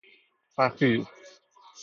فخیر